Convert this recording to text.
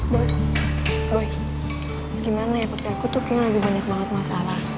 baik gimana ya pakai aku tuh kayaknya lagi banyak banget masalah